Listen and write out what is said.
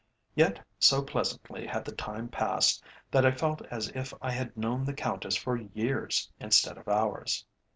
Yet so pleasantly had the time passed, that I felt as if I had known the Countess for years instead of hours.